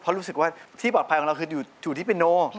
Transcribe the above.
เพราะรู้สึกว่าที่ปลอดภัยของเราคืออยู่ที่ปิโน